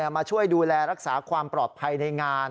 มาช่วยดูแลรักษาความปลอดภัยในงาน